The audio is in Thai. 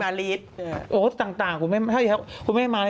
ถ้าว่าต่างผมไม่ให้มา